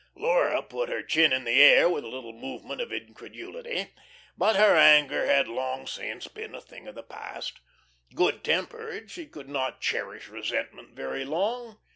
Laura put her chin in the air with a little movement of incredulity. But her anger had long since been a thing of the past. Good tempered, she could not cherish resentment very long.